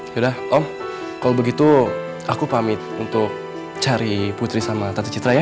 sudah om kalau begitu aku pamit untuk cari putri sama tante citra ya